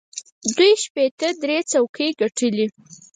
دوی شپېته درې څوکۍ ګټلې.